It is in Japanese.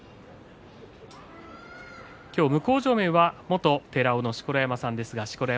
今日、向正面は元寺尾の錣山さんです。